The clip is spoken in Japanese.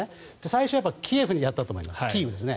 最初、キエフでやったと思います